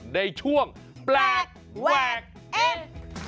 ในช่วงแปลกแหวกเอ๊ะ